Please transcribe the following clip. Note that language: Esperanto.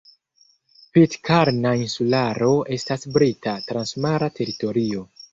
Pitkarna Insularo estas Brita transmara teritorio.